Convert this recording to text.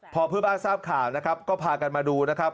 พอเพื่อนบ้านทราบข่าวนะครับก็พากันมาดูนะครับ